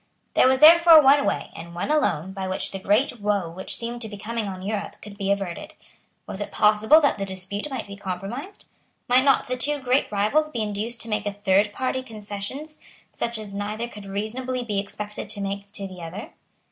There was therefore one way, and one alone, by which the great woe which seemed to be coming on Europe could be averted. Was it possible that the dispute might be compromised? Might not the two great rivals be induced to make to a third party concessions such as neither could reasonably be expected to make to the other?